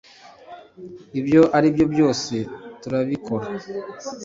ibyo aribyo byose turabikora